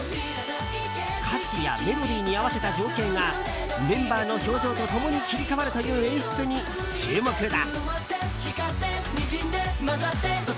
歌詞やメロディーに合わせた情景がメンバーの表情と共に切り替わるという演出に注目だ。